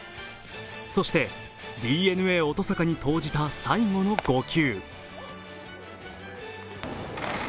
そして、ＤｅＮＡ・乙坂に投じた最後の５球。